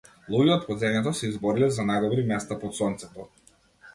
Луѓе од подземјето се избориле за најдобри места под сонцето.